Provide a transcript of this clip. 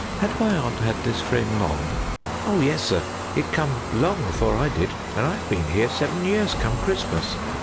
"Had my aunt had this frame long?" "Oh yes, sir. It come long afore I did, and I've been here seven years come Christmas.